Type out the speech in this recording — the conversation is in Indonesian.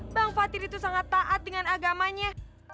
bang fatir itu sangat taat dengan agamanya